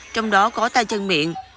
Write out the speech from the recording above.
trong đó có tay chân miệng